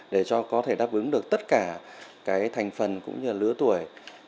để cho có thể đáp ứng được tất cả cái thành phần cũng như lứa tuổi